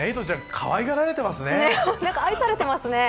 かわいがられてますね。